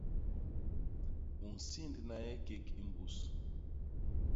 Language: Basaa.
U nsindna nye kék i mbus.